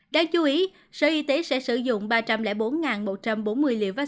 đáng chú ý sở y tế sẽ sử dụng ba trăm linh bốn một trăm bốn mươi liều vaccine covid một mươi chín